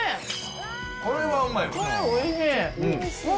これはうまいわ。